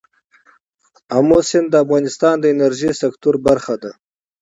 آمو سیند د افغانستان د انرژۍ سکتور برخه ده.